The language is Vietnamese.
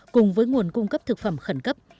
cùng với nguồn cung cấp thực phẩm khẩn cấp